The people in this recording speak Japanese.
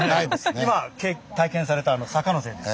今体験されたあの坂のせいです。